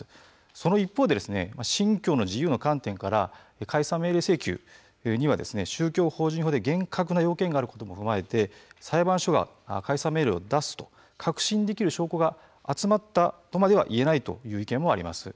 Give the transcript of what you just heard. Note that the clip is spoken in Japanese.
その一方で信教の自由の観点から解散命令請求には宗教法人法で厳格な要件があることも踏まえて裁判所が解散命令を出すと確信できる証拠が集まったとまではいえないという意見もあります。